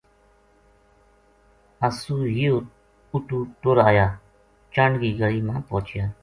اَسو یہ اُتو ٹُر آیاچَنڈ کی گلی ما پوہچیا